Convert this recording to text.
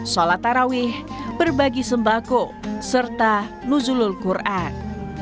sholat tarawih berbagi sembako serta nuzulul quran